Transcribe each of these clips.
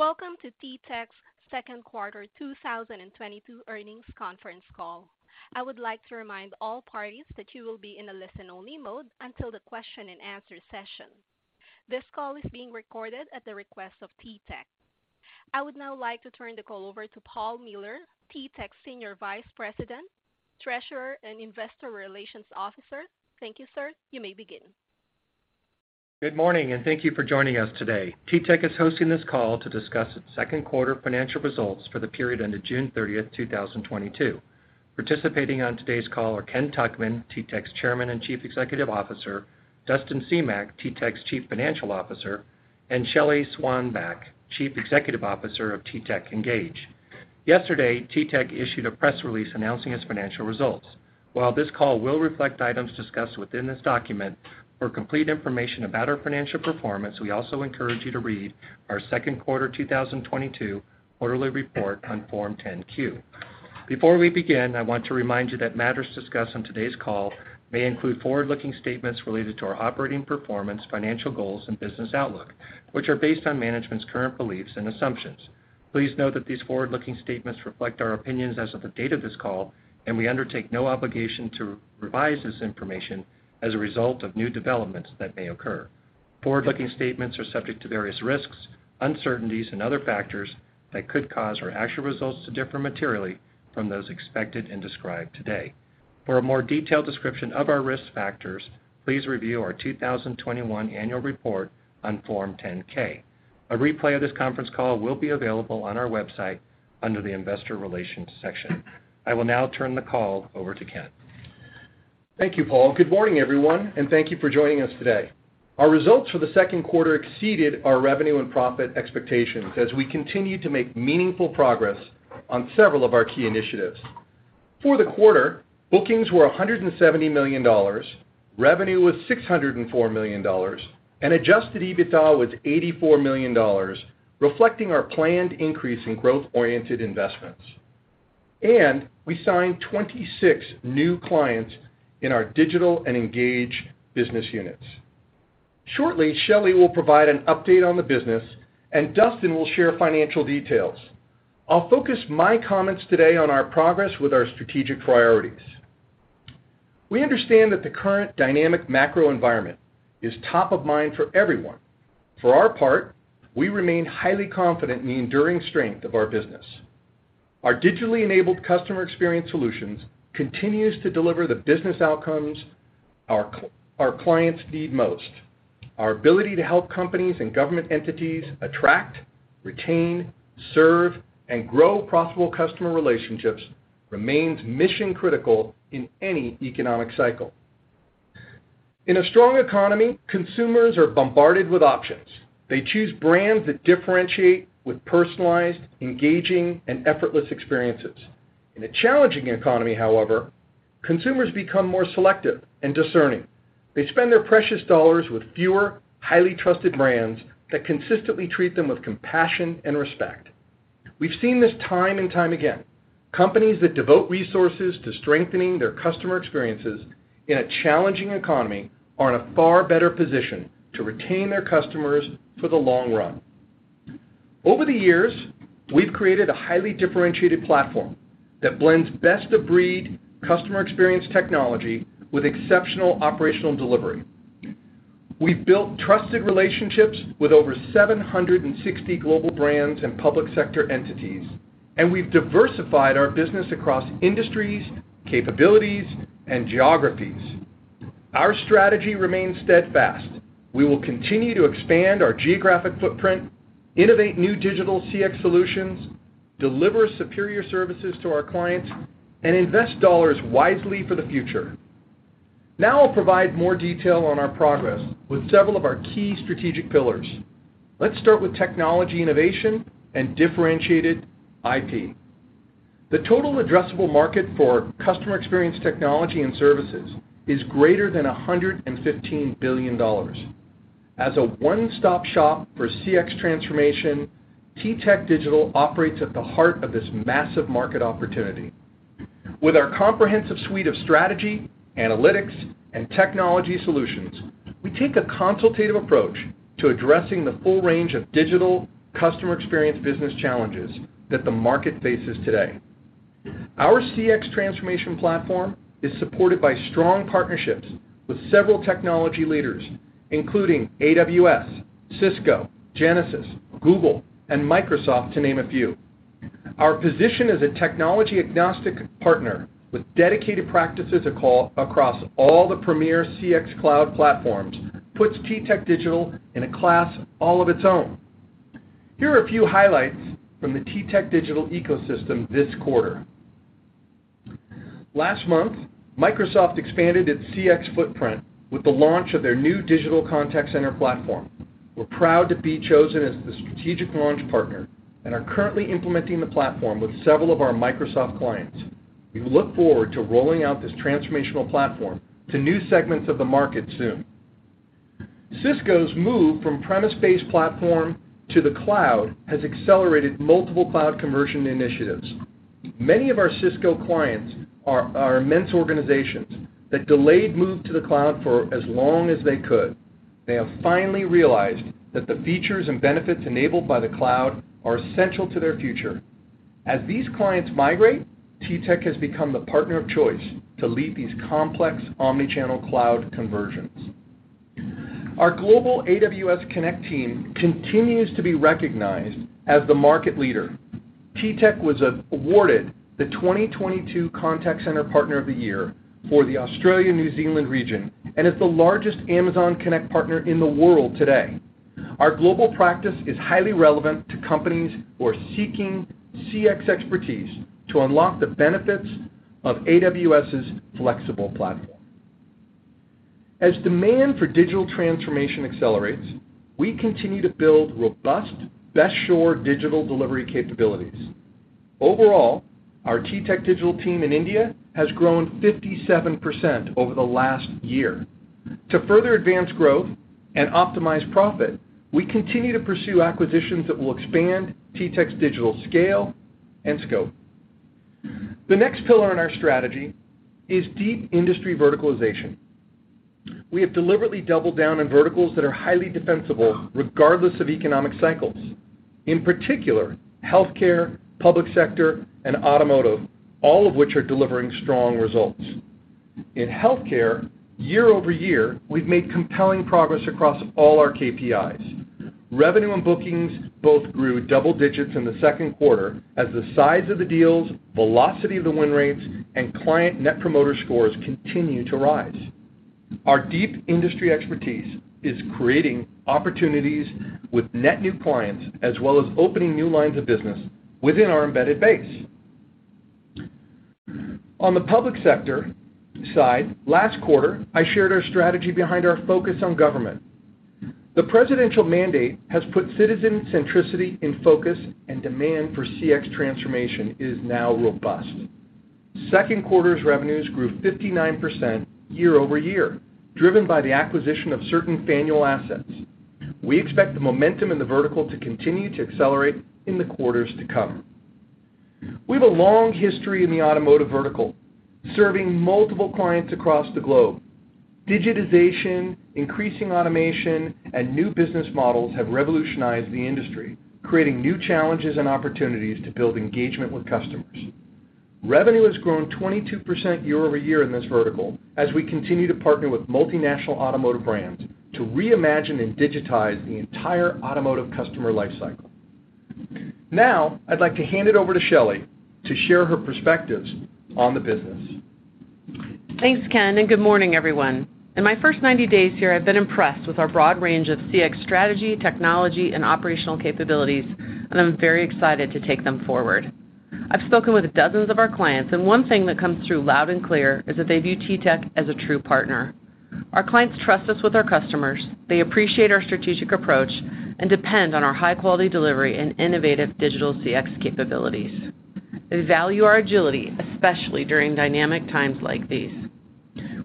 Welcome to TTEC's second quarter 2022 earnings conference call. I would like to remind all parties that you will be in a listen-only mode until the question and answer session. This call is being recorded at the request of TTEC. I would now like to turn the call over to Paul Miller, TTEC's Senior Vice President, Treasurer and Investor Relations Officer. Thank you, sir. You may begin. Good morning, and thank you for joining us today. TTEC is hosting this call to discuss its second quarter financial results for the period ended June 30th, 2022. Participating on today's call are Ken Tuchman, TTEC's Chairman and Chief Executive Officer, Dustin Semach, TTEC's Chief Financial Officer, and Shelly Swanback, Chief Executive Officer of TTEC Engage. Yesterday, TTEC issued a press release announcing its financial results. While this call will reflect items discussed within this document, for complete information about our financial performance, we also encourage you to read our second quarter 2022 quarterly report on Form 10-Q. Before we begin, I want to remind you that matters discussed on today's call may include forward-looking statements related to our operating performance, financial goals, and business outlook, which are based on management's current beliefs and assumptions. Please note that these forward-looking statements reflect our opinions as of the date of this call, and we undertake no obligation to revise this information as a result of new developments that may occur. Forward-looking statements are subject to various risks, uncertainties, and other factors that could cause our actual results to differ materially from those expected and described today. For a more detailed description of our risk factors, please review our 2021 annual report on Form 10-K. A replay of this conference call will be available on our website under the investor relations section. I will now turn the call over to Ken. Thank you, Paul. Good morning, everyone, and thank you for joining us today. Our results for the second quarter exceeded our revenue and profit expectations as we continue to make meaningful progress on several of our key initiatives. For the quarter, bookings were $170 million, revenue was $604 million, and adjusted EBITDA was $84 million, reflecting our planned increase in growth-oriented investments. We signed 26 new clients in our Digital and Engage business units. Shortly, Shelly will provide an update on the business and Dustin will share financial details. I'll focus my comments today on our progress with our strategic priorities. We understand that the current dynamic macro environment is top of mind for everyone. For our part, we remain highly confident in the enduring strength of our business. Our digitally enabled customer experience solutions continues to deliver the business outcomes our clients need most. Our ability to help companies and government entities attract, retain, serve, and grow profitable customer relationships remains mission critical in any economic cycle. In a strong economy, consumers are bombarded with options. They choose brands that differentiate with personalized, engaging, and effortless experiences. In a challenging economy, however, consumers become more selective and discerning. They spend their precious dollars with fewer highly trusted brands that consistently treat them with compassion and respect. We've seen this time and time again. Companies that devote resources to strengthening their customer experiences in a challenging economy are in a far better position to retain their customers for the long run. Over the years, we've created a highly differentiated platform that blends best-of-breed customer experience technology with exceptional operational delivery. We've built trusted relationships with over 760 global brands and Public Sector entities, and we've diversified our business across industries, capabilities, and geographies. Our strategy remains steadfast. We will continue to expand our geographic footprint, innovate new digital CX solutions, deliver superior services to our clients, and invest dollars wisely for the future. Now I'll provide more detail on our progress with several of our key strategic pillars. Let's start with technology innovation and differentiated IP. The total addressable market for customer experience technology and services is greater than $115 billion. As a one-stop shop for CX transformation, TTEC Digital operates at the heart of this massive market opportunity. With our comprehensive suite of strategy, analytics, and technology solutions, we take a consultative approach to addressing the full range of Digital customer experience business challenges that the market faces today. Our CX transformation platform is supported by strong partnerships with several technology leaders, including AWS, Cisco, Genesys, Google, and Microsoft, to name a few. Our position as a technology agnostic partner with dedicated practices across all the premier CX cloud platforms puts TTEC Digital in a class all of its own. Here are a few highlights from the TTEC Digital ecosystem this quarter. Last month, Microsoft expanded its CX footprint with the launch of their new digital contact center platform. We're proud to be chosen as the strategic launch partner and are currently implementing the platform with several of our Microsoft clients. We look forward to rolling out this transformational platform to new segments of the market soon. Cisco's move from premise-based platform to the cloud has accelerated multiple cloud conversion initiatives. Many of our Cisco clients are immense organizations that delayed move to the cloud for as long as they could. They have finally realized that the features and benefits enabled by the cloud are essential to their future. As these clients migrate, TTEC has become the partner of choice to lead these complex omni-channel cloud conversions. Our global AWS Connect team continues to be recognized as the market leader. TTEC was awarded the 2022 Contact Center Partner of the Year for the Australia New Zealand region and is the largest Amazon Connect partner in the world today. Our global practice is highly relevant to companies who are seeking CX expertise to unlock the benefits of AWS's flexible platform. As demand for Digital transformation accelerates, we continue to build robust best shore Digital delivery capabilities. Overall, our TTEC Digital team in India has grown 57% over the last year. To further advance growth and optimize profit, we continue to pursue acquisitions that will expand TTEC's Digital scale and scope. The next pillar in our strategy is deep industry verticalization. We have deliberately doubled down on verticals that are highly defensible regardless of economic cycles, in particular, Healthcare, Public Sector and Automotive, all of which are delivering strong results. In Healthcare, year-over-year, we've made compelling progress across all our KPIs. Revenue and bookings both grew double digits in the second quarter as the size of the deals, velocity of the win rates, and client Net Promoter Scores continue to rise. Our deep industry expertise is creating opportunities with net new clients, as well as opening new lines of business within our embedded base. On the Public Sector side, last quarter, I shared our strategy behind our focus on government. The presidential mandate has put citizen centricity in focus and demand for CX transformation is now robust. Second quarter's revenues grew 59% year-over-year, driven by the acquisition of certain Faneuil assets. We expect the momentum in the vertical to continue to accelerate in the quarters to come. We have a long history in the Automotive vertical, serving multiple clients across the globe. Digitization, increasing automation, and new business models have revolutionized the industry, creating new challenges and opportunities to build engagement with customers. Revenue has grown 22% year-over-year in this vertical as we continue to partner with multinational Automotive brands to reimagine and digitize the entire Automotive customer life cycle. Now, I'd like to hand it over to Shelly to share her perspectives on the business. Thanks, Ken, and good morning, everyone. In my first 90 days here, I've been impressed with our broad range of CX strategy, technology and operational capabilities, and I'm very excited to take them forward. I've spoken with dozens of our clients, and one thing that comes through loud and clear is that they view TTEC as a true partner. Our clients trust us with our customers, they appreciate our strategic approach and depend on our high-quality delivery and innovative Digital CX capabilities. They value our agility, especially during dynamic times like these.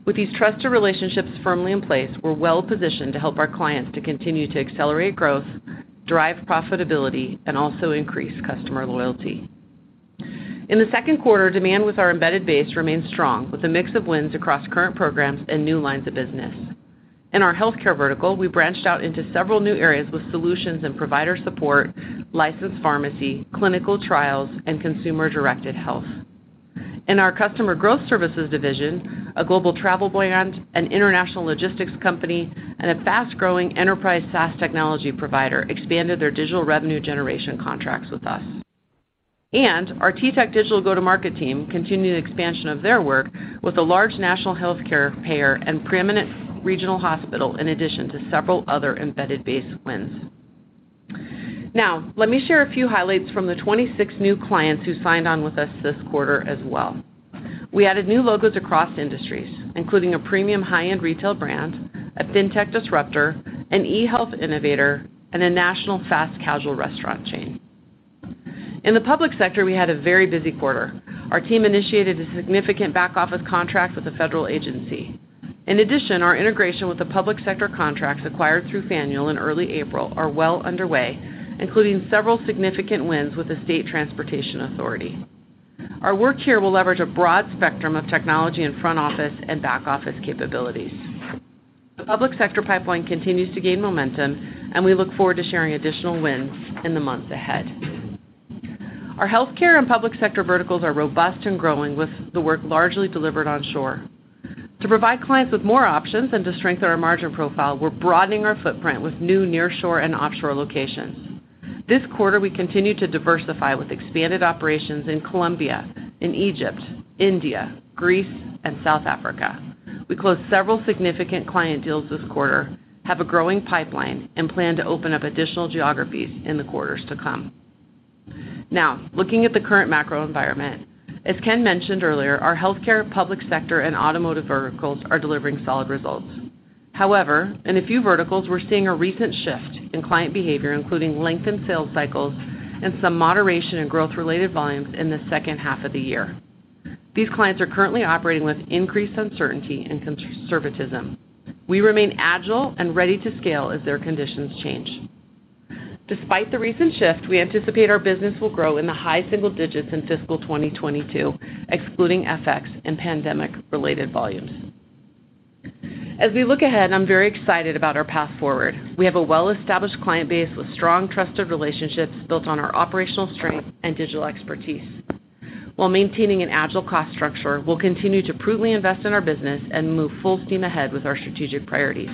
With these trusted relationships firmly in place, we're well-positioned to help our clients to continue to accelerate growth, drive profitability, and also increase customer loyalty. In the second quarter, demand with our embedded base remained strong with a mix of wins across current programs and new lines of business. In our Healthcare vertical, we branched out into several new areas with solutions in provider support, licensed pharmacy, clinical trials, and consumer-directed health. In our customer growth services division, a global travel brand, an international logistics company, and a fast-growing enterprise SaaS technology provider expanded their digital revenue generation contracts with us. Our TTEC Digital go-to-market team continued expansion of their work with a large national Healthcare payer and preeminent regional hospital in addition to several other embedded base wins. Now, let me share a few highlights from the 26 new clients who signed on with us this quarter as well. We added new logos across industries, including a premium high-end retail brand, a fintech disruptor, an eHealth innovator, and a national fast casual restaurant chain. In the Public Sector, we had a very busy quarter. Our team initiated a significant back office contract with a federal agency. In addition, our integration with the Public Sector contracts acquired through Faneuil in early April are well underway, including several significant wins with the State Transportation Authority. Our work here will leverage a broad spectrum of technology in front office and back office capabilities. The Public Sector pipeline continues to gain momentum, and we look forward to sharing additional wins in the months ahead. Our Healthcare and Public Sector verticals are robust and growing with the work largely delivered onshore. To provide clients with more options and to strengthen our margin profile, we're broadening our footprint with new nearshore and offshore locations. This quarter, we continued to diversify with expanded operations in Colombia, in Egypt, India, Greece and South Africa. We closed several significant client deals this quarter, have a growing pipeline and plan to open up additional geographies in the quarters to come. Now, looking at the current macro environment, as Ken mentioned earlier, our Healthcare, Public Sector and Automotive verticals are delivering solid results. However, in a few verticals, we're seeing a recent shift in client behavior, including lengthened sales cycles and some moderation in growth-related volumes in the second half of the year. These clients are currently operating with increased uncertainty and conservatism. We remain agile and ready to scale as their conditions change. Despite the recent shift, we anticipate our business will grow in the high single digits in fiscal 2022, excluding FX and pandemic-related volumes. As we look ahead, I'm very excited about our path forward. We have a well-established client base with strong trusted relationships built on our operational strength and digital expertise. While maintaining an agile cost structure, we'll continue to prudently invest in our business and move full steam ahead with our strategic priorities.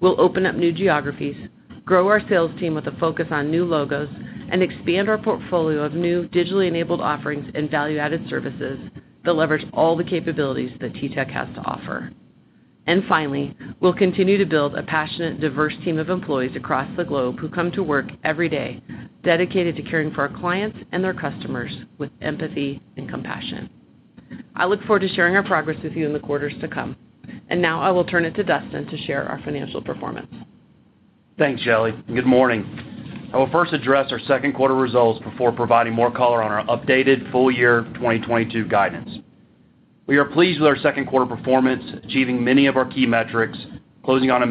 We'll open up new geographies, grow our sales team with a focus on new logos, and expand our portfolio of new digitally enabled offerings and value-added services that leverage all the capabilities that TTEC has to offer. Finally, we'll continue to build a passionate, diverse team of employees across the globe who come to work every day dedicated to caring for our clients and their customers with empathy and compassion. I look forward to sharing our progress with you in the quarters to come. Now I will turn it to Dustin to share our financial performance. Thanks, Shelly. Good morning. I will first address our second quarter results before providing more color on our updated full year 2022 guidance. We are pleased with our second quarter performance, achieving many of our key metrics, cssing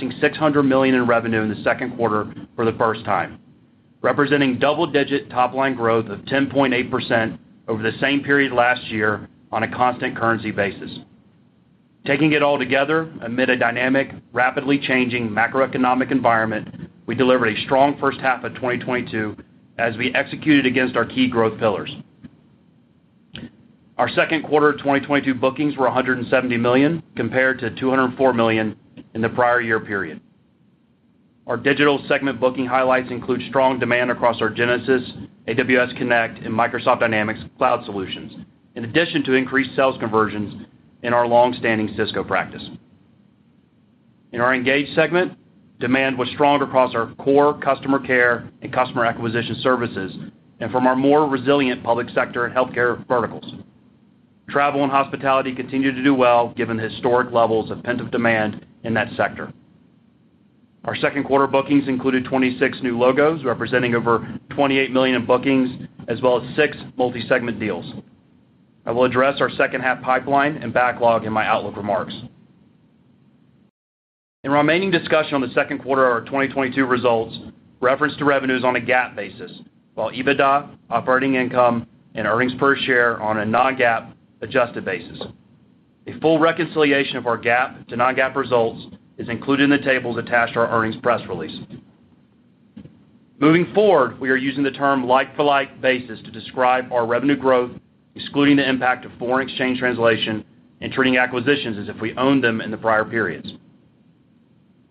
$600 million in revenue in the second quarter for the first time, representing double-digit top-line growth of 10.8% over the same period last year on a constant currency basis. Taking it all together, amid a dynamic, rapidly changing macroeconomic environment, we delivered a strong first half of 2022 as we executed against our key growth pillars. Our second quarter of 2022 bookings were $170 million compared to $204 million in the prior year period. Our Digital segment booking highlights include strong demand across our Genesys, Amazon Connect, and Microsoft Dynamics cloud solutions, in addition to increased sales conversions in our long-standing Cisco practice. In our Engage segment, demand was strong across our core customer care and customer acquisition services and from our more resilient Public Sector and Healthcare verticals. Travel and hospitality continued to do well given the historic levels of pent-up demand in that sector. Our second quarter bookings included 26 new logos, representing over $28 million in bookings, as well as six multi-segment deals. I will address our second half pipeline and backlog in my outlook remarks. In the remaining discussion on the second quarter of our 2022 results, reference to revenues on a GAAP basis, while EBITDA, operating income, and earnings per share on a non-GAAP adjusted basis. A full reconciliation of our GAAP to non-GAAP results is included in the tables attached to our earnings press release. Moving forward, we are using the term like-for-like basis to describe our revenue growth, excluding the impact of foreign exchange translation and treating acquisitions as if we owned them in the prior periods.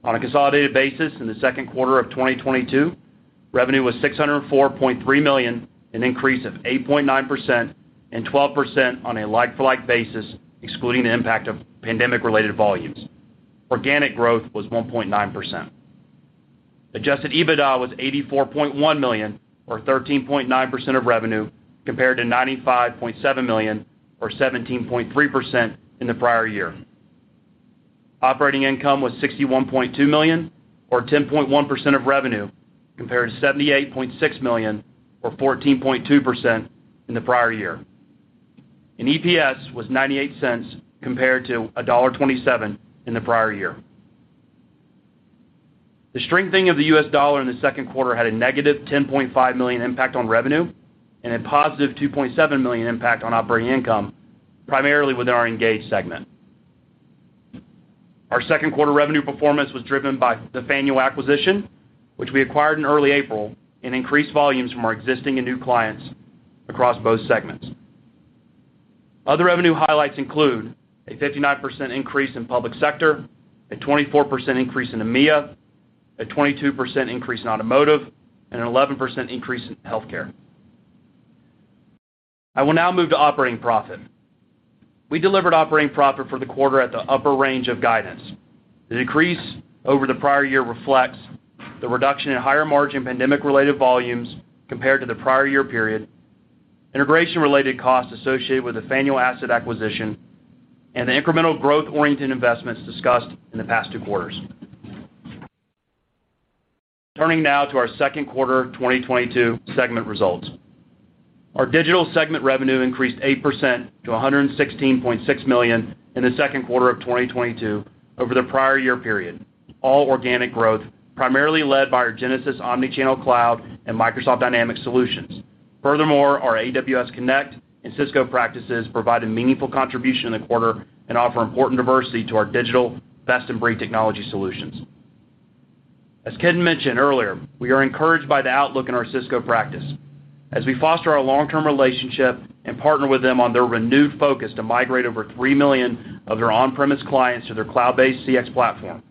On a consolidated basis in the second quarter of 2022, revenue was $604.3 million, an increase of 8.9% and 12% on a like-for-like basis, excluding the impact of pandemic-related volumes. Organic growth was 1.9%. Adjusted EBITDA was $84.1 million or 13.9% of revenue compared to $95.7 million or 17.3% in the prior year. Operating income was $61.2 million or 10.1% of revenue compared to $78.6 million or 14.2% in the prior year. EPS was $0.98 compared to $1.27 in the prior year. The strengthening of the U.S. dollar in the second quarter had a negative $10.5 million impact on revenue and a positive $2.7 million impact on operating income, primarily within our Engage segment. Our second quarter revenue performance was driven by the Faneuil acquisition, which we acquired in early April, and increased volumes from our existing and new clients across both segments. Other revenue highlights include a 59% increase in Public Sector, a 24% increase in EMEA, a 22% increase in Automotive, and an 11% increase in Healthcare. I will now move to operating profit. We delivered operating profit for the quarter at the upper range of guidance. The decrease over the prior year reflects the reduction in higher margin pandemic-related volumes compared to the prior year period, integration related costs associated with the Faneuil asset acquisition, and the incremental growth-oriented investments discussed in the past two quarters. Turning now to our second quarter 2022 segment results. Our Digital segment revenue increased 8% to $116.6 million in the second quarter of 2022 over the prior year period, all organic growth, primarily led by our Genesys Cloud CX and Microsoft Dynamics solutions. Furthermore, our Amazon Connect and Cisco practices provided meaningful contribution in the quarter and offer important diversity to our Digital best-in-breed technology solutions. As Ken mentioned earlier, we are encouraged by the outlook in our Cisco practice. As we foster our long-term relationship and partner with them on their renewed focus to migrate over 3 million of their on-premise clients to their cloud-based CX platform,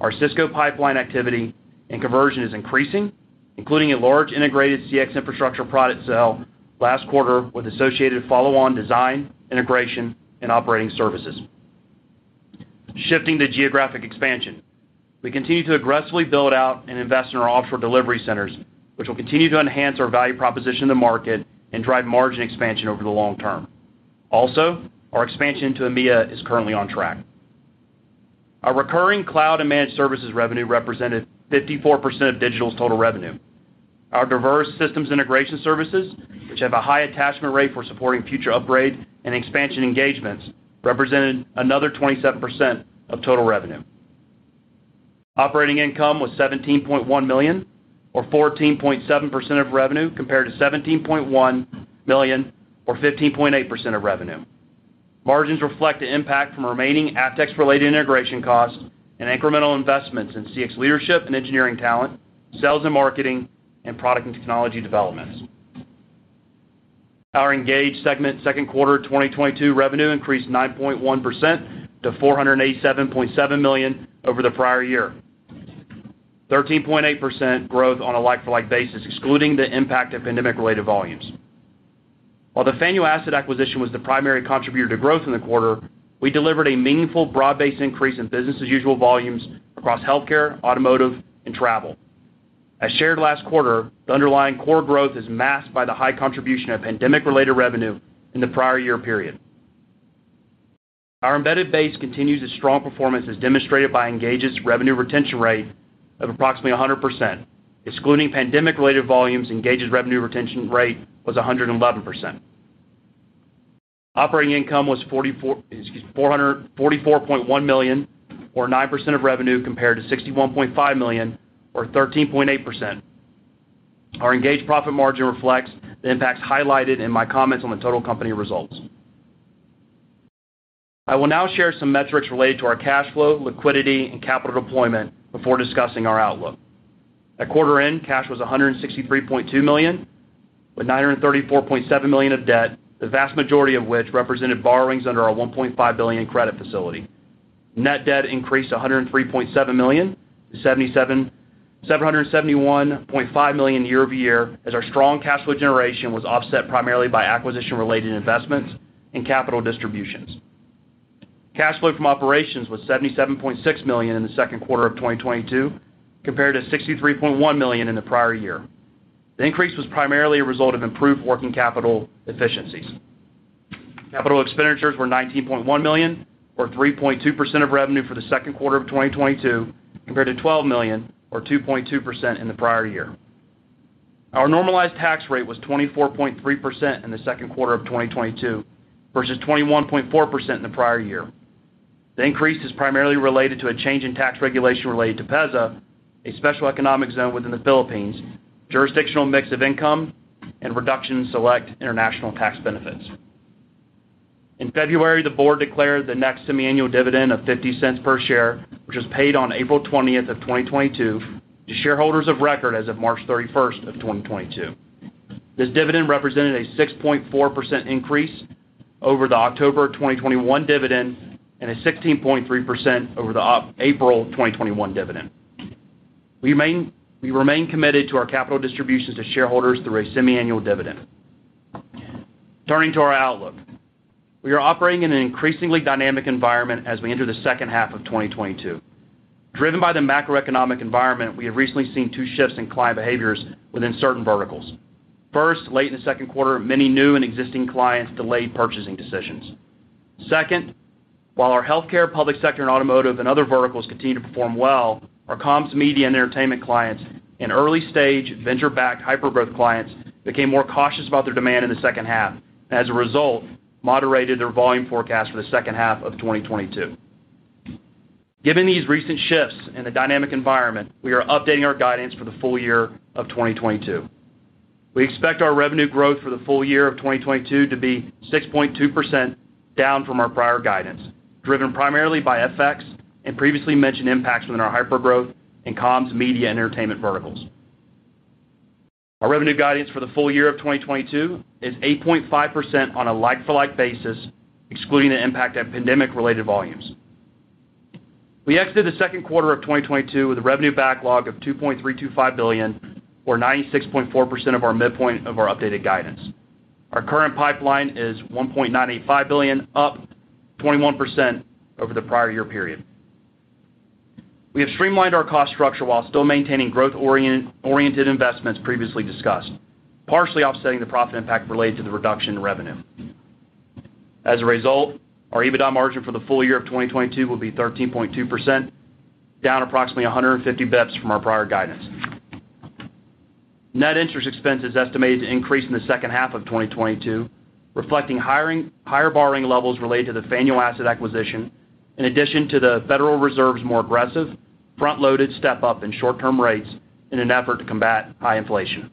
our Cisco pipeline activity and conversion is increasing, including a large integrated CX infrastructure product sale last quarter with associated follow-on design, integration, and operating services. Shifting to geographic expansion. We continue to aggressively build out and invest in our offshore delivery centers, which will continue to enhance our value proposition to market and drive margin expansion over the long term. Also, our expansion to EMEA is currently on track. Our recurring cloud and managed services revenue represented 54% of Digital's total revenue. Our diverse systems integration services, which have a high attachment rate for supporting future upgrade and expansion engagements, represented another 27% of total revenue. Operating income was $17.1 million, or 14.7% of revenue, compared to $17.1 million or 15.8% of revenue. Margins reflect the impact from remaining Avtex-related integration costs and incremental investments in CX leadership and engineering talent, sales and marketing, and product and technology developments. Our Engage segment second quarter 2022 revenue increased 9.1% to $487.7 million over the prior year. 13.8% growth on a like-for-like basis, excluding the impact of pandemic-related volumes. While the Faneuil asset acquisition was the primary contributor to growth in the quarter, we delivered a meaningful broad-based increase in business as usual volumes across Healthcare, Automotive, and travel. As shared last quarter, the underlying core growth is masked by the high contribution of pandemic-related revenue in the prior year period. Our embedded base continues its strong performance as demonstrated by Engage's revenue retention rate of approximately 100%. Excluding pandemic-related volumes, Engage's revenue retention rate was 111%. Operating income was $44.1 million, or 9% of revenue, compared to $61.5 million or 13.8%. Our Engage profit margin reflects the impacts highlighted in my comments on the total company results. I will now share some metrics related to our cash flow, liquidity, and capital deployment before discussing our outlook. At quarter end, cash was $163.2 million, with $934.7 million of debt, the vast majority of which represented borrowings under our $1.5 billion credit facility. Net debt increased from $103.7 million$-771.5 million year-over-year, as our strong cash flow generation was offset primarily by acquisition-related investments and capital distributions. Cash flow from operations was $77.6 million in the second quarter of 2022, compared to $63.1 million in the prior year. The increase was primarily a result of improved working capital efficiencies. Capital expenditures were $19.1 million, or 3.2% of revenue for the second quarter of 2022, compared to $12 million or 2.2% in the prior year. Our normalized tax rate was 24.3% in the second quarter of 2022 versus 21.4% in the prior year. The increase is primarily related to a change in tax regulation related to PEZA, a special economic zone within the Philippines, jurisdictional mix of income, and reduction in select international tax benefits. In February, the board declared the next semiannual dividend of $0.50 per share, which was paid on April 20th, 2022 to shareholders of record as of March 31st, 2022. This dividend represented a 6.4% increase over the October 2021 dividend and a 16.3% over the April 2021 dividend. We remain committed to our capital distributions to shareholders through a semiannual dividend. Turning to our outlook. We are operating in an increasingly dynamic environment as we enter the second half of 2022. Driven by the macroeconomic environment, we have recently seen two shifts in client behaviors within certain verticals. First, late in the second quarter, many new and existing clients delayed purchasing decisions. Second, while our Healthcare, Public Sector, and Automotive and other verticals continue to perform well, our comms, media, and entertainment clients and early-stage venture-backed hyper-growth clients became more cautious about their demand in the second half, and as a result, moderated their volume forecast for the second half of 2022. Given these recent shifts in the dynamic environment, we are updating our guidance for the full year of 2022. We expect our revenue growth for the full year of 2022 to be 6.2% down from our prior guidance, driven primarily by FX and previously mentioned impacts within our hyper-growth and comms, media, and entertainment verticals. Our revenue guidance for the full year of 2022 is 8.5% on a like-for-like basis, excluding the impact of pandemic-related volumes. We exited the second quarter of 2022 with a revenue backlog of $2.325 billion, or 96.4% of our midpoint of our updated guidance. Our current pipeline is $1.985 billion, up 21% over the prior year period. We have streamlined our cost structure while still maintaining growth-oriented investments previously discussed, partially offsetting the profit impact related to the reduction in revenue. As a result, our EBITDA margin for the full year of 2022 will be 13.2%, down approximately 150 basis points from our prior guidance. Net interest expense is estimated to increase in the second half of 2022, reflecting higher borrowing levels related to the Faneuil asset acquisition, in addition to the Federal Reserve's more aggressive, front-loaded step-up in short-term rates in an effort to combat high inflation.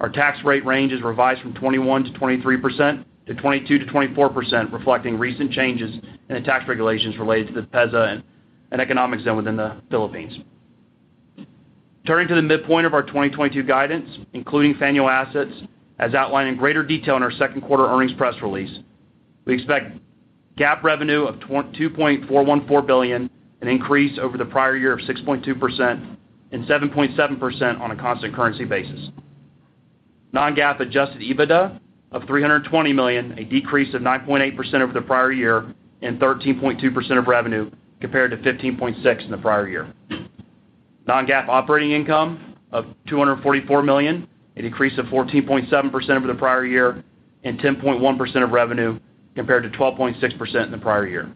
Our tax rate range is revised from 21%-23% to 22%-24%, reflecting recent changes in the tax regulations related to the PEZA and economic zone within the Philippines. Turning to the midpoint of our 2022 guidance, including Faneuil assets, as outlined in greater detail in our second quarter earnings press release, we expect GAAP revenue of $2.414 billion, an increase over the prior year of 6.2% and 7.7% on a constant currency basis. Non-GAAP adjusted EBITDA of $320 million, a decrease of 9.8% over the prior year and 13.2% of revenue compared to 15.6% in the prior year. Non-GAAP operating income of $244 million, a decrease of 14.7% over the prior year and 10.1% of revenue compared to 12.6% in the prior year.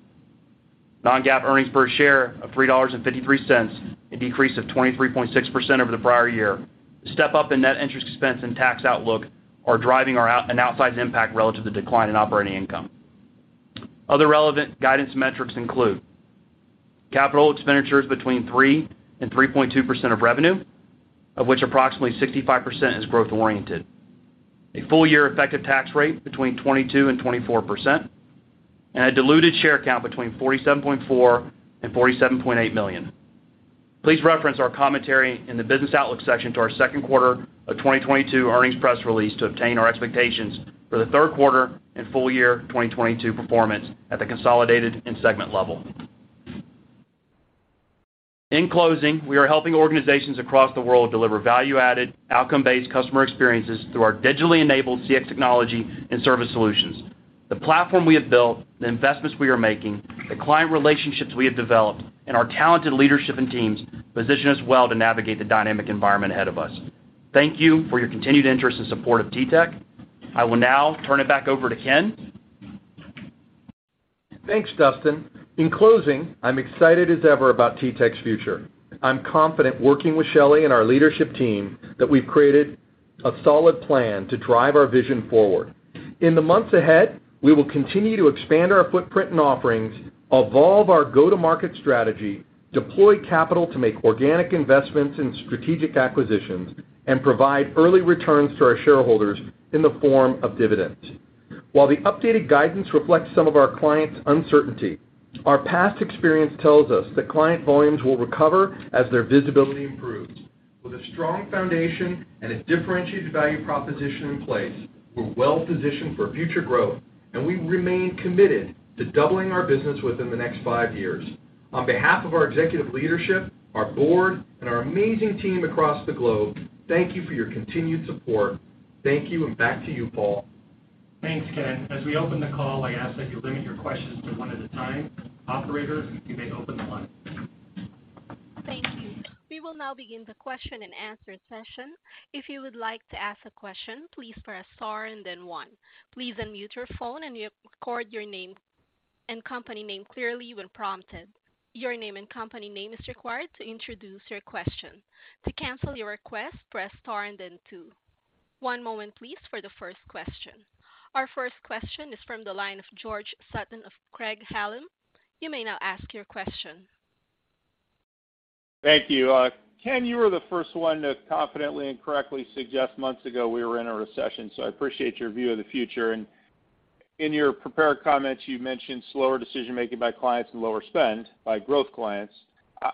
Non-GAAP earnings per share of $3.53, a decrease of 23.6% over the prior year. Step up in net interest expense and tax outlook are driving our outsized impact relative to decline in operating income. Other relevant guidance metrics include capital expenditures between 3%-3.2% of revenue, of which approximately 65% is growth oriented. A full year effective tax rate between 22%-24%, and a diluted share count between $47.4 million-$47.8 million. Please reference our commentary in the business outlook section to our second quarter of 2022 earnings press release to obtain our expectations for the third quarter and full year 2022 performance at the consolidated and segment level. In closing, we are helping organizations across the world deliver value-added, outcome-based customer experiences through our digitally enabled CX technology and service solutions. The platform we have built, the investments we are making, the client relationships we have developed, and our talented leadership and teams position us well to navigate the dynamic environment ahead of us. Thank you for your continued interest and support of TTEC. I will now turn it back over to Ken. Thanks, Dustin. In closing, I'm excited as ever about TTEC's future. I'm confident working with Shelly and our leadership team that we've created a solid plan to drive our vision forward. In the months ahead, we will continue to expand our footprint and offerings, evolve our go-to-market strategy, deploy capital to make organic investments in strategic acquisitions, and provide early returns to our shareholders in the form of dividends. While the updated guidance reflects some of our clients' uncertainty, our past experience tells us that client volumes will recover as their visibility improves. With a strong foundation and a differentiated value proposition in place, we're well-positioned for future growth, and we remain committed to doubling our business within the next five years. On behalf of our executive leadership, our board, and our amazing team across the globe, thank you for your continued support. Thank you, and back to you, Paul. Thanks, Ken. As we open the call, I ask that you limit your questions to one at a time. Operator, you may open the line. Thank you. We will now begin the question-and-answer session. If you would like to ask a question, please press star and then one. Please unmute your phone and record your name and company name clearly when prompted. Your name and company name is required to introduce your question. To cancel your request, press star and then two. One moment please for the first question. Our first question is from the line of George Sutton of Craig-Hallum. You may now ask your question. Thank you. Ken, you were the first one to confidently and correctly suggest months ago we were in a recession, so I appreciate your view of the future. In your prepared comments, you mentioned slower decision-making by clients and lower spend by growth clients.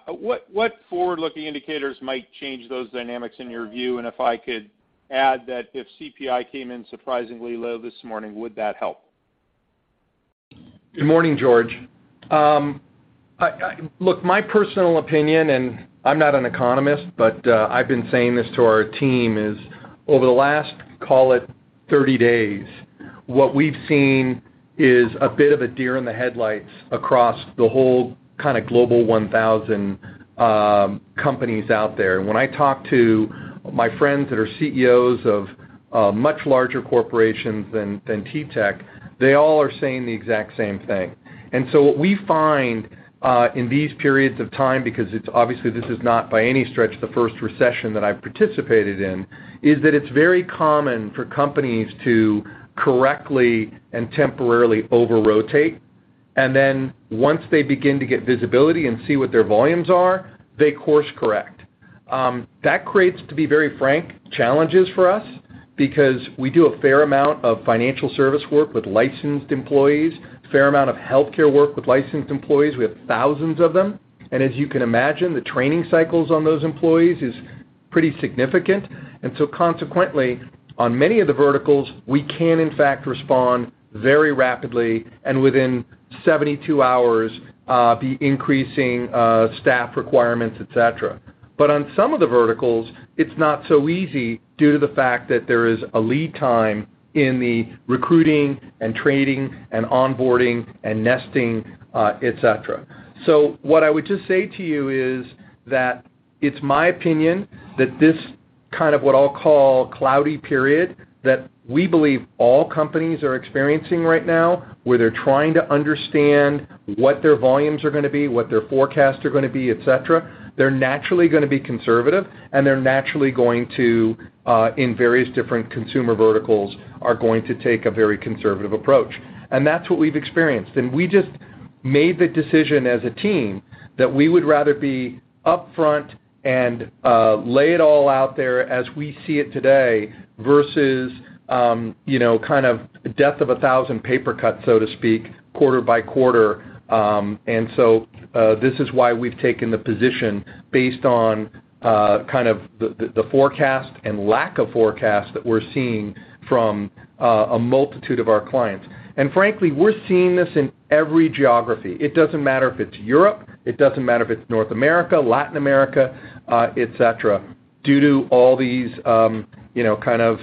What forward-looking indicators might change those dynamics in your view? If I could add that if CPI came in surprisingly low this morning, would that help? Good morning, George. Look, my personal opinion, and I'm not an economist, but I've been saying this to our team, is over the last, call it 30 days, what we've seen is a bit of a deer in the headlights across the whole kinda global 1,000 companies out there. When I talk to my friends that are CEOs of much larger corporations than TTEC, they all are saying the exact same thing. What we find in these periods of time, because it's obviously this is not by any stretch the first recession that I've participated in, is that it's very common for companies to correctly and temporarily over-rotate. Then once they begin to get visibility and see what their volumes are, they course correct. That creates, to be very frank, challenges for us because we do a fair amount of financial service work with licensed employees, fair amount of Healthcare work with licensed employees. We have thousands of them. As you can imagine, the training cycles on those employees is pretty significant. Consequently, on many of the verticals, we can in fact respond very rapidly and within 72 hours be increasing staff requirements, et cetera. On some of the verticals, it's not so easy due to the fact that there is a lead time in the recruiting and training and onboarding and nesting, et cetera. What I would just say to you is that it's my opinion that this kind of what I'll call cloudy period, that we believe all companies are experiencing right now, where they're trying to understand what their volumes are gonna be, what their forecasts are gonna be, et cetera. They're naturally gonna be conservative, and they're naturally going to, in various different consumer verticals, are going to take a very conservative approach. That's what we've experienced. We just made the decision as a team that we would rather be upfront and, lay it all out there as we see it today versus, you know, kind of death of a thousand paper cuts, so to speak, quarter by quarter. This is why we've taken the position based on kind of the forecast and lack of forecast that we're seeing from a multitude of our clients. Frankly, we're seeing this in every geography. It doesn't matter if it's Europe, it doesn't matter if it's North America, Latin America, et cetera, due to all these, you know, kind of,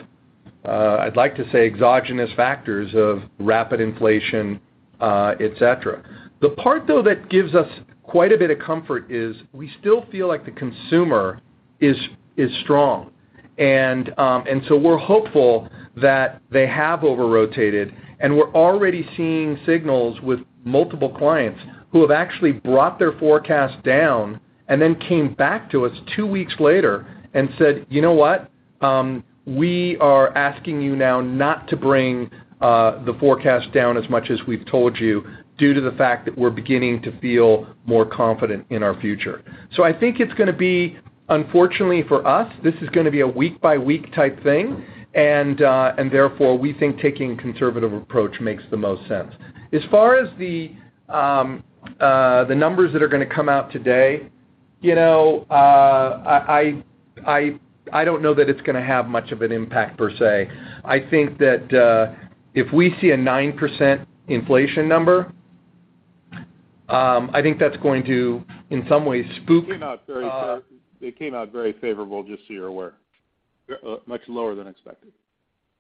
I'd like to say exogenous factors of rapid inflation, et cetera. The part though that gives us quite a bit of comfort is we still feel like the consumer is strong. We're hopeful that they have over-rotated, and we're already seeing signals with multiple clients who have actually brought their forecast down and then came back to us two weeks later and said, "You know what? We are asking you now not to bring the forecast down as much as we've told you due to the fact that we're beginning to feel more confident in our future." I think it's gonna be unfortunately for us, this is gonna be a week-by-week type thing, and therefore, we think taking a conservative approach makes the most sense. As far as the numbers that are gonna come out today, you know, I don't know that it's gonna have much of an impact per se. I think that if we see a 9% inflation number, I think that's going to, in some ways, spook- It came out very favorable, just so you're aware. Much lower than expected.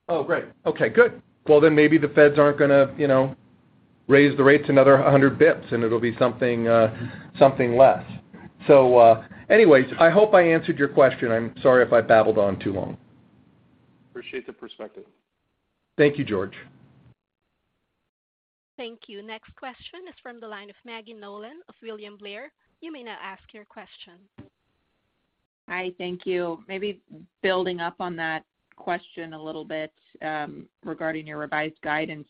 Oh, great. Okay, good. Well, then maybe the Feds aren't gonna, you know, raise the rates another 100 basis points, and it'll be something less. Anyways, I hope I answered your question. I'm sorry if I babbled on too long. Appreciate the perspective. Thank you, George. Thank you. Next question is from the line of Maggie Nolan of William Blair. You may now ask your question. Hi. Thank you. Maybe building up on that question a little bit, regarding your revised guidance,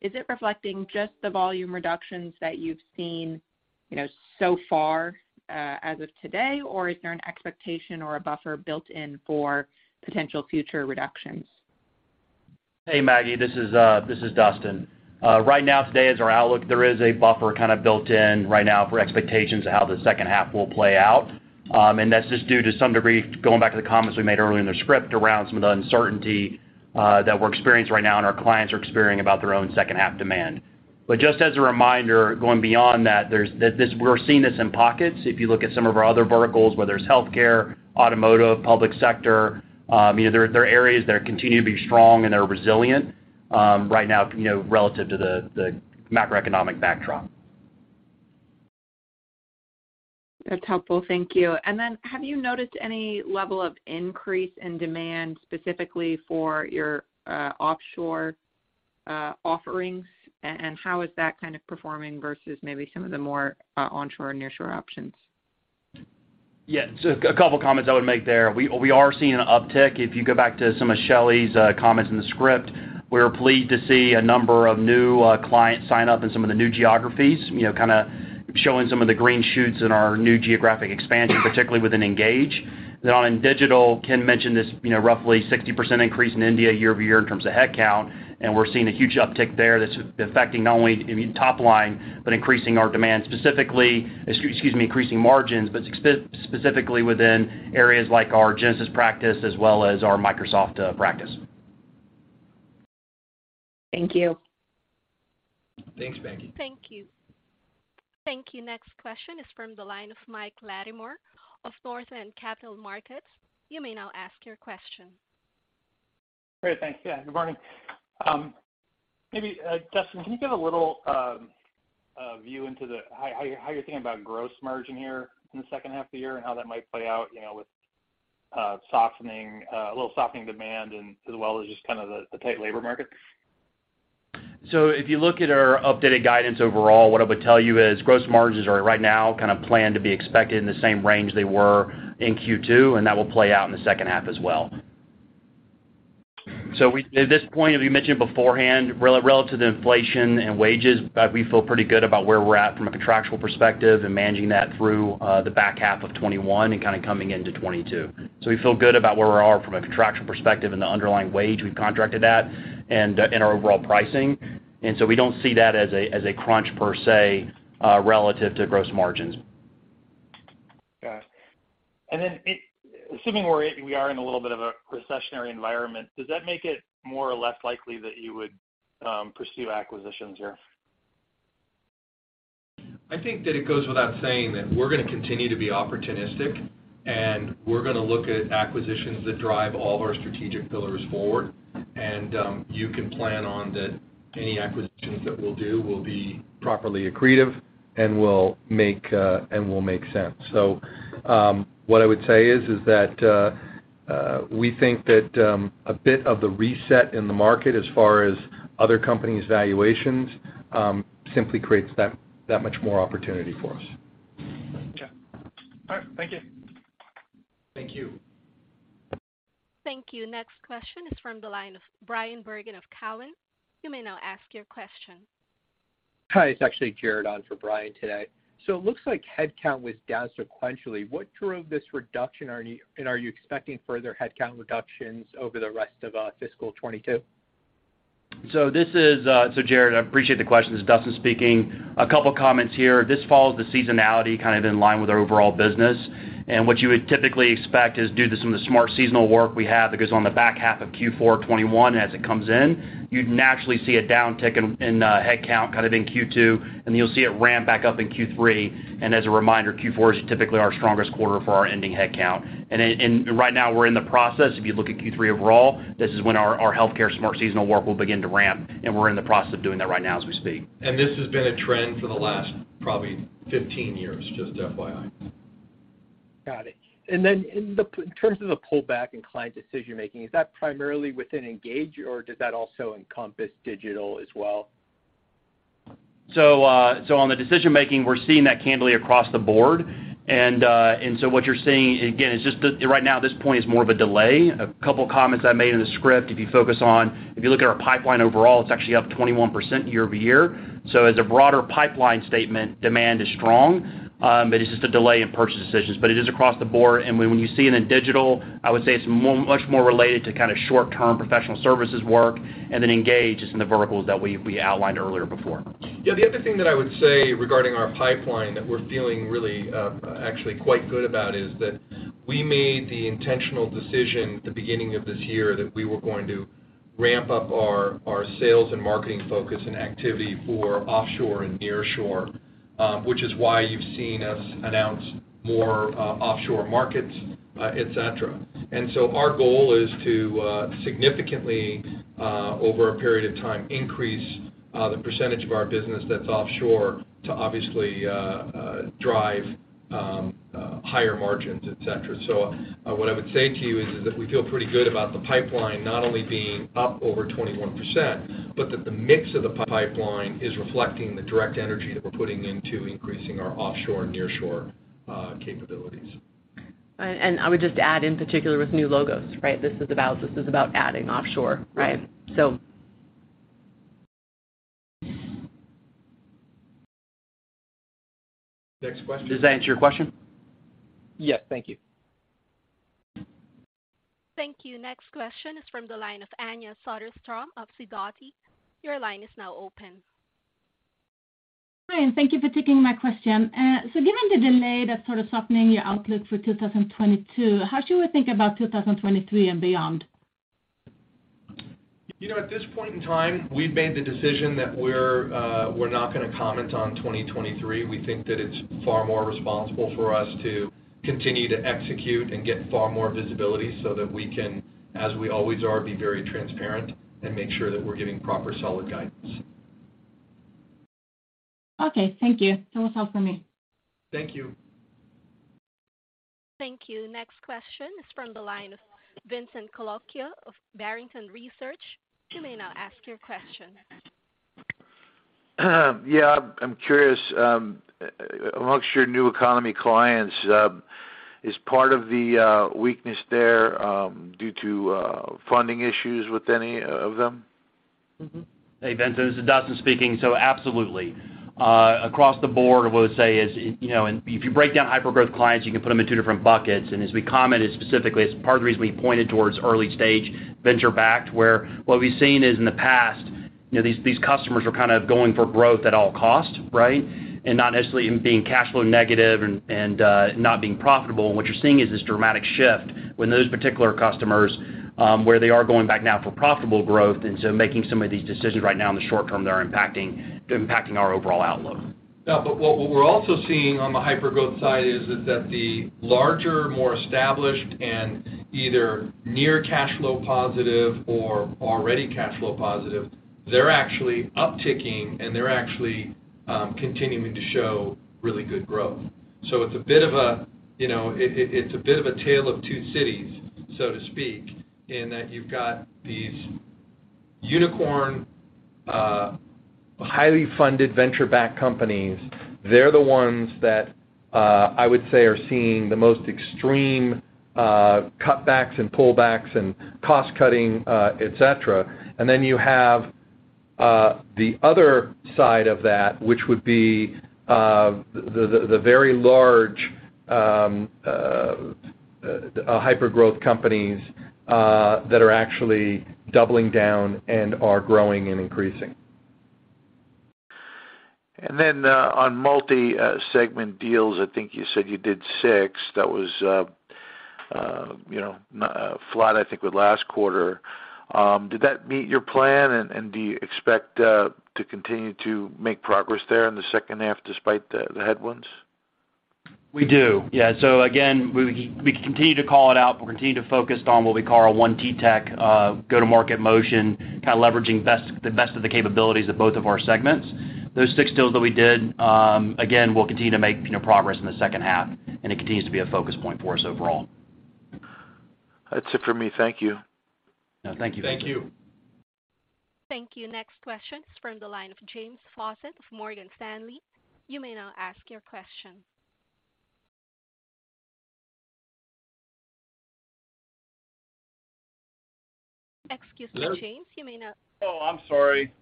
is it reflecting just the volume reductions that you've seen, you know, so far, as of today, or is there an expectation or a buffer built in for potential future reductions? Hey, Maggie. This is Dustin. Right now today as our outlook, there is a buffer kinda built in right now for expectations of how the second half will play out. That's just due to some degree, going back to the comments we made earlier in the script around some of the uncertainty that we're experiencing right now and our clients are experiencing about their own second half demand. Just as a reminder, going beyond that, we're seeing this in pockets. If you look at some of our other verticals, whether it's Healthcare, Automotive, Public Sector, you know, there are areas that continue to be strong, and they're resilient right now, you know, relative to the macroeconomic backdrop. That's helpful. Thank you. Have you noticed any level of increase in demand, specifically for your offshore offerings? How is that kind of performing versus maybe some of the more onshore and nearshore options? Yeah. A couple of comments I would make there. We are seeing an uptick. If you go back to some of Shelly's comments in the script, we're pleased to see a number of new clients sign up in some of the new geographies, you know, kinda showing some of the green shoots in our new geographic expansion, particularly within Engage. On Digital, Ken mentioned this, you know, roughly 60% increase in India year-over-year in terms of head count, and we're seeing a huge uptick there that's affecting not only top line, but increasing margins, but specifically within areas like our Genesys practice as well as our Microsoft practice. Thank you. Thanks, Maggie. Thank you. Thank you. Next question is from the line of Mike Latimore of Northland Capital Markets. You may now ask your question. Great. Thanks. Yeah. Good morning. Maybe Dustin, can you give a little view into how you're thinking about gross margin here in the second half of the year and how that might play out, you know, with a little softening demand and as well as just kind of the tight labor market? If you look at our updated guidance overall, what I would tell you is gross margins are right now kind of planned to be expected in the same range they were in Q2, and that will play out in the second half as well. At this point, as we mentioned beforehand, relative to inflation and wages, we feel pretty good about where we're at from a contractual perspective and managing that through the back half of 2021 and kinda coming into 2022. We feel good about where we are from a contractual perspective and the underlying wage we've contracted at and our overall pricing. We don't see that as a crunch per se, relative to gross margins. Got it. Assuming we are in a little bit of a recessionary environment, does that make it more or less likely that you would pursue acquisitions here? I think that it goes without saying that we're gonna continue to be opportunistic, and we're gonna look at acquisitions that drive all of our strategic pillars forward. You can plan on that any acquisitions that we'll do will be properly accretive and will make sense. What I would say is that we think that a bit of the reset in the market as far as other companies' valuations simply creates that much more opportunity for us. Okay. All right. Thank you. Thank you. Thank you. Next question is from the line of Brian Bergen of Cowen. You may now ask your question. Hi, it's actually Jared on for Brian today. It looks like head count was down sequentially. What drove this reduction, and are you expecting further head count reductions over the rest of fiscal 2022? This is Jared, I appreciate the question. This is Dustin speaking. A couple of comments here. This follows the seasonality kind of in line with our overall business. What you would typically expect is due to some of the smart seasonal work we have that goes on the back half of Q4 2021 as it comes in, you'd naturally see a downtick in head count kind of in Q2, and you'll see it ramp back up in Q3. As a reminder, Q4 is typically our strongest quarter for our ending head count. Right now we're in the process, if you look at Q3 overall, this is when our Healthcare smart seasonal work will begin to ramp, and we're in the process of doing that right now as we speak. This has been a trend for the last probably 15 years, just FYI. Got it. In terms of the pullback in client decision-making, is that primarily within Engage or does that also encompass Digital as well? On the decision-making, we're seeing that candidly across the board. What you're seeing again is just right now at this point is more of a delay. A couple of comments I made in the script, if you look at our pipeline overall, it's actually up 21% year-over-year. As a broader pipeline statement, demand is strong, but it's just a delay in purchase decisions. It is across the board. When you see it in Digital, I would say it's much more related to kind of short term professional services work and then Engage is in the verticals that we outlined earlier before. Yeah. The other thing that I would say regarding our pipeline that we're feeling really, actually quite good about is that we made the intentional decision at the beginning of this year that we were going to ramp up our sales and marketing focus and activity for offshore and nearshore, which is why you've seen us announce more, offshore markets, et cetera. Our goal is to significantly, over a period of time, increase the percentage of our business that's offshore to obviously drive higher margins, et cetera. What I would say to you is that we feel pretty good about the pipeline not only being up over 21%, but that the mix of the pipeline is reflecting the direct energy that we're putting into increasing our offshore and nearshore capabilities. I would just add in particular with new logos, right? This is about adding offshore, right? Next question. Does that answer your question? Yes. Thank you. Thank you. Next question is from the line of Anja Soderstrom of Sidoti. Your line is now open. Hi, and thank you for taking my question. Given the delay that's sort of softening your outlook for 2022, how should we think about 2023 and beyond? You know, at this point in time, we've made the decision that we're not gonna comment on 2023. We think that it's far more responsible for us to continue to execute and get far more visibility so that we can, as we always are, be very transparent and make sure that we're giving proper solid guidance. Okay, thank you. That was all for me. Thank you. Thank you. Next question is from the line of Vincent Colicchio of Barrington Research. You may now ask your question. Yeah, I'm curious, among your new economy clients, is part of the weakness there due to funding issues with any of them? Mm-hmm. Hey, Vincent, this is Dustin speaking. Absolutely. Across the board, what I would say is, you know, and if you break down hyper-growth clients, you can put them in two different buckets. As we commented specifically, it's part of the reason we pointed towards early-stage venture-backed, where what we've seen is in the past, you know, these customers were kind of going for growth at all costs, right? Not necessarily in being cash flow negative and not being profitable. What you're seeing is this dramatic shift when those particular customers where they are going back now for profitable growth. Making some of these decisions right now in the short term, they're impacting our overall outlook. Yeah. What we're also seeing on the hyper-growth side is that the larger, more established and either near cash flow positive or already cash flow positive, they're actually upticking, and they're actually continuing to show really good growth. It's a bit of a, you know, tale of two cities, so to speak, in that you've got these unicorn highly funded venture-backed companies. They're the ones that I would say are seeing the most extreme cutbacks and pullbacks and cost-cutting, et cetera. Then you have the other side of that, which would be the very large hyper-growth companies that are actually doubling down and are growing and increasing. Then, on multi-segment deals, I think you said you did six. That was, you know, flat, I think with last quarter. Did that meet your plan and do you expect to continue to make progress there in the second half despite the headwinds? We do. Yeah. Again, we continue to call it out. We're continuing to focus on what we call our One TTEC go-to-market motion, kinda leveraging the best of the capabilities of both of our segments. Those six deals that we did, again, we'll continue to make, you know, progress in the second half, and it continues to be a focus point for us overall. That's it for me. Thank you. Thank you. Thank you. Thank you. Next question is from the line of James Faucette of Morgan Stanley. You may now ask your question. Excuse me, James. Hello? You may now- Oh, I'm sorry.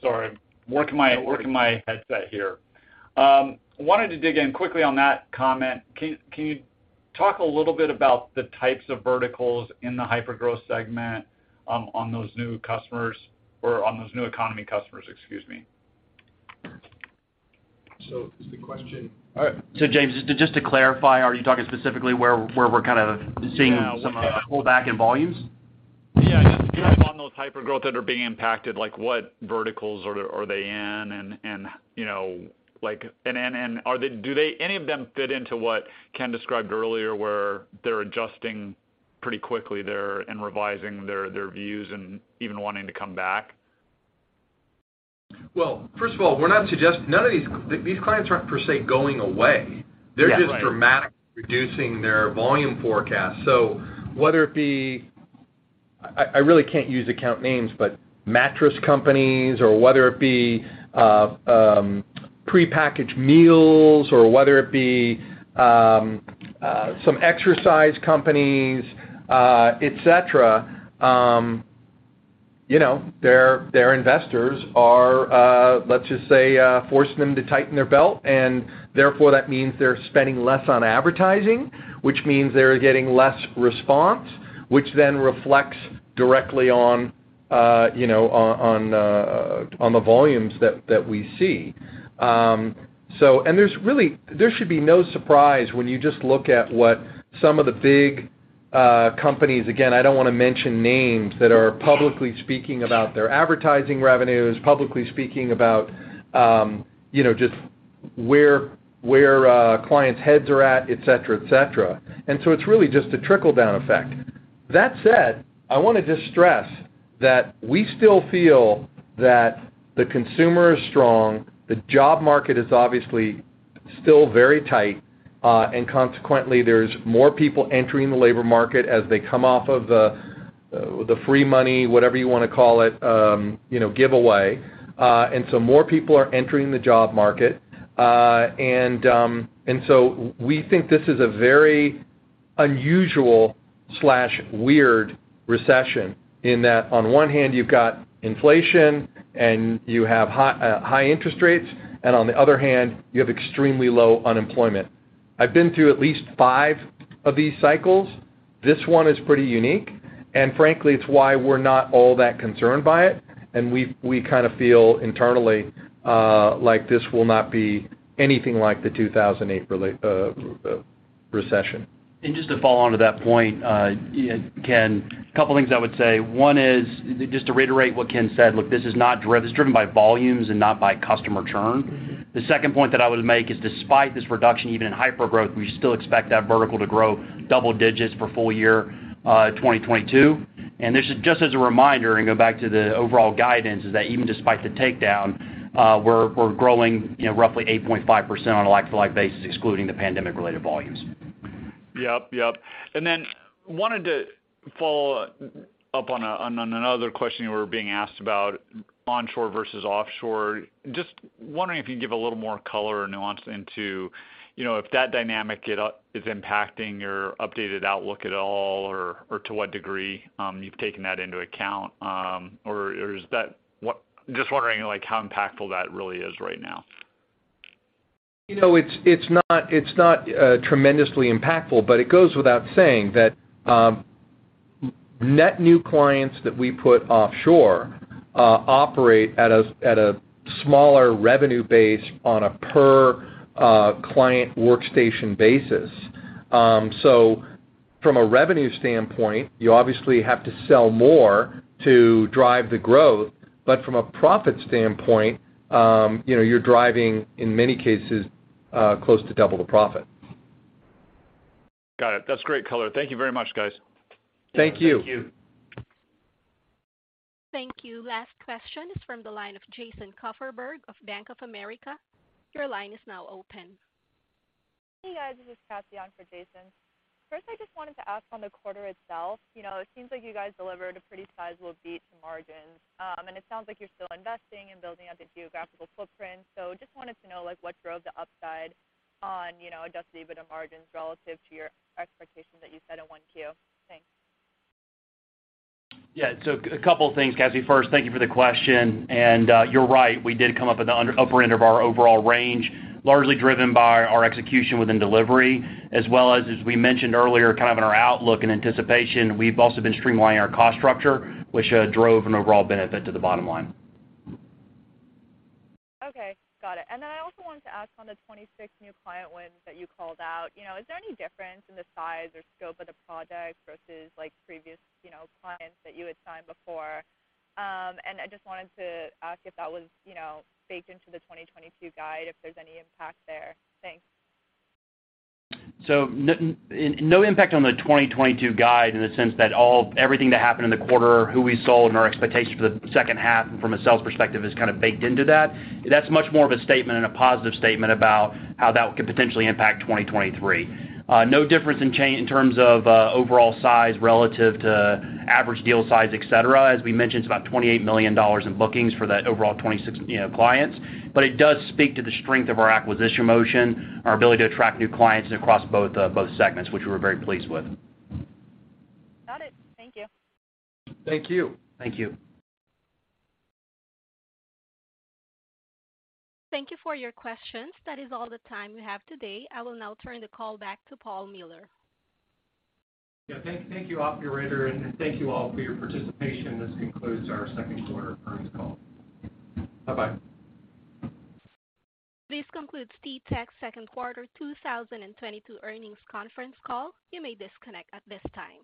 Sorry. Working my headset here. Wanted to dig in quickly on that comment. Can you talk a little bit about the types of verticals in the hyper-growth segment, on those new customers or on those new economy customers, excuse me. The question. All right. James, just to clarify, are you talking specifically where we're kind of seeing some pullback in volumes? Yeah. On those hyper-growth that are being impacted, like what verticals are they in and, you know, like and, do any of them fit into what Ken described earlier, where they're adjusting pretty quickly there and revising their views and even wanting to come back? Well, first of all, we're not suggesting. These clients aren't per se going away. Yeah, right. They're just dramatically reducing their volume forecast. I really can't use account names, but mattress companies or whether it be prepackaged meals or whether it be some exercise companies, et cetera, you know, their investors are, let's just say, forcing them to tighten their belt, and therefore, that means they're spending less on advertising, which means they're getting less response, which then reflects directly on, you know, on the volumes that we see. There should be no surprise when you just look at what some of the big companies, again, I don't wanna mention names, that are publicly speaking about their advertising revenues, publicly speaking about, you know, just where clients' heads are at, et cetera. It's really just a trickle-down effect. That said, I wanna just stress that we still feel that the consumer is strong, the job market is obviously still very tight, and consequently, there's more people entering the labor market as they come off of the free money, whatever you wanna call it, you know, giveaway. More people are entering the job market. We think this is a very unusual, weird recession in that on one hand, you've got inflation and you have high, high interest rates, and on the other hand, you have extremely low unemployment. I've been through at least five of these cycles. This one is pretty unique, and frankly, it's why we're not all that concerned by it, and we kinda feel internally like this will not be anything like the 2008 recession. Just to follow on to that point, Ken, a couple things I would say. One is, just to reiterate what Ken said, look, this is driven by volumes and not by customer churn. The second point that I would make is despite this reduction even in hypergrowth, we still expect that vertical to grow double digits for full year, 2022. This is just as a reminder, and go back to the overall guidance, is that even despite the takedown, we're growing, you know, roughly 8.5% on a like-for-like basis, excluding the pandemic-related volumes. Yep. Wanted to follow up on another question you were being asked about onshore versus offshore. Just wondering if you can give a little more color or nuance into, you know, if that dynamic is impacting your updated outlook at all, or to what degree you've taken that into account, just wondering, like, how impactful that really is right now. You know, it's not tremendously impactful, but it goes without saying that net new clients that we put offshore operate at a smaller revenue base on a per client workstation basis. So from a revenue standpoint, you obviously have to sell more to drive the growth. But from a profit standpoint, you know, you're driving, in many cases, close to double the profit. Got it. That's great color. Thank you very much, guys. Thank you. Thank you. Thank you. Last question is from the line of Jason Kupferberg of Bank of America. Your line is now open. Hey, guys, this is Cassie on for Jason. First, I just wanted to ask on the quarter itself. You know, it seems like you guys delivered a pretty sizable beat to margins, and it sounds like you're still investing and building out the geographical footprint. Just wanted to know, like, what drove the upside on, you know, adjusted EBITDA margins relative to your expectations that you set in 1Q. Thanks. Yeah. A couple of things, Cassie. First, thank you for the question, and you're right. We did come up in the upper end of our overall range, largely driven by our execution within delivery, as well as we mentioned earlier, kind of in our outlook in anticipation, we've also been streamlining our cost structure, which drove an overall benefit to the bottom line. Okay. Got it. Then I also wanted to ask on the 26 new client wins that you called out, you know, is there any difference in the size or scope of the project versus like previous, you know, clients that you had signed before? I just wanted to ask if that was, you know, baked into the 2022 guide, if there's any impact there. Thanks. No impact on the 2022 guide in the sense that everything that happened in the quarter, what we sold and our expectations for the second half from a sales perspective is kinda baked into that. That's much more of a statement and a positive statement about how that could potentially impact 2023. No difference in terms of overall size relative to average deal size, et cetera. As we mentioned, it's about $28 million in bookings for the overall 26, you know, clients. It does speak to the strength of our acquisition motion, our ability to attract new clients across both segments, which we're very pleased with. Got it. Thank you. Thank you. Thank you. Thank you for your questions. That is all the time we have today. I will now turn the call back to Paul Miller. Yeah. Thank you, operator, and thank you all for your participation. This concludes our second quarter earnings call. Bye-bye. This concludes TTEC's second quarter 2022 earnings conference call. You may disconnect at this time.